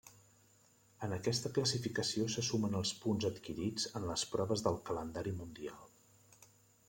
En aquesta classificació se sumen els punts adquirits en les proves del Calendari mundial.